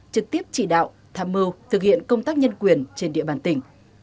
trực tiếp chỉ đạo tham mưu thực hiện công tác nhân quyền trên địa bàn tỉnh